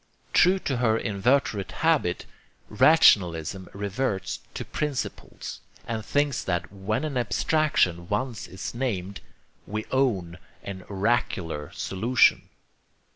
True to her inveterate habit, rationalism reverts to 'principles,' and thinks that when an abstraction once is named, we own an oracular solution.